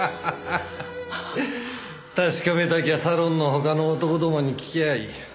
確かめたきゃサロンの他の男どもに聞きゃあいい。